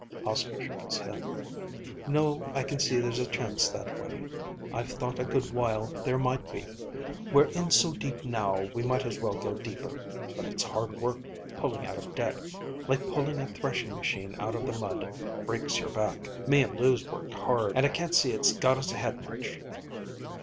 Oscar shook his head. "No, I can see there's a chance that way. I've thought a good while there might be. We're in so deep now, we might as well go deeper. But it's hard work pulling out of debt. Like pulling a threshing machine out of the mud; breaks your back. Me and Lou's worked hard, and I can't see it's got us ahead much."